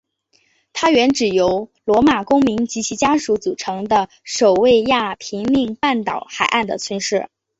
它原指由罗马公民及其家属组成的守卫亚平宁半岛海岸的村社。